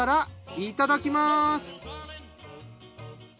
いただきます。